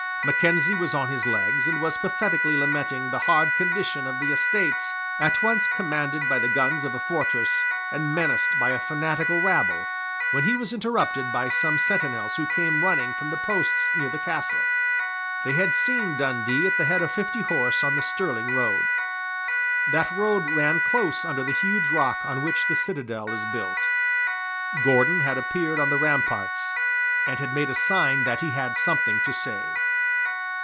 Mackenzie was on his legs, and was pathetically lamenting the hard condition of the Estates, at once commanded by the guns of a fortress and menaced by a fanatical rabble, when he was interrupted by some sentinels who came running from the posts near the Castle. They had seen Dundee at the head of fifty horse on the Stirling road. That road ran close under the huge rock on which the citadel is built. Gordon had appeared on the ramparts, and had made a sign that he had something to say.